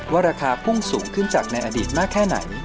ราคาพุ่งสูงขึ้นจากในอดีตมากแค่ไหน